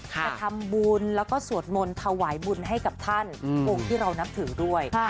จะทำบุญแล้วก็สวดมนต์ถวายบุญให้กับท่านองค์ที่เรานับถือด้วย